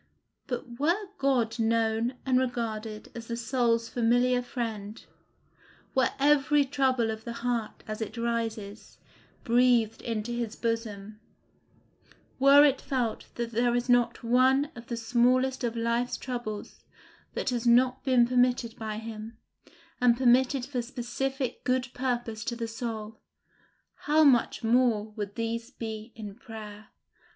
But were God known and regarded as the soul's familiar friend, were every trouble of the heart as it rises, breathed into his bosom; were it felt that there is not one of the smallest of life's troubles that has not been permitted by him, and permitted for specific good purpose to the soul, how much more would these be in prayer!